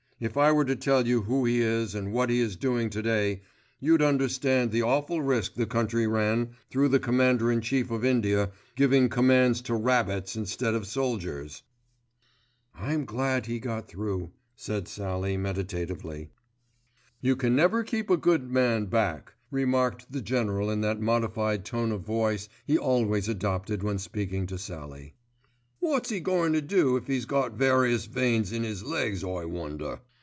If I were to tell you who he is and what he is doing to day, you'd understand the awful risk the country ran through the Commander in Chief of India giving commands to rabbits instead of soldiers." "I'm glad he got through," said Sallie meditatively. "You can never keep a good man back," remarked the General in that modified tone of voice he always adopted when speaking to Sallie. "Wot's 'e goin' to do if 'e's got various veins in 'is legs, I wonder?"